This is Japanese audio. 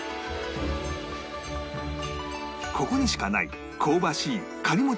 ここにしかない香ばしいカリもち